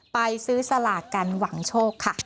ไปซื้อสลากกันหวังโชคค่ะ